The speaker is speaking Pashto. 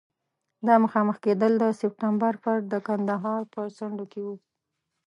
دا مخامخ کېدل د سپټمبر پر د کندهار په څنډو کې وو.